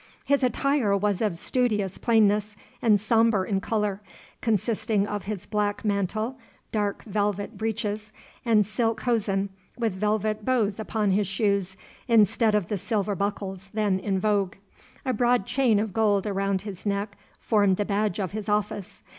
His attire was of studious plainness and sombre in colour, consisting of his black mantle, dark velvet breeches, and silk hosen, with velvet bows upon his shoes instead of the silver buckles then in vogue. A broad chain of gold around his neck formed the badge of his office.